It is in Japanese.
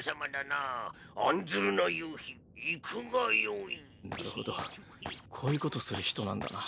なるほどこういうことする人なんだな。